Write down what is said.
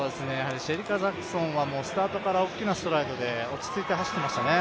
シェリカ・ジャクソンはスタートから大きなストライドで落ち着いて走っていましたね。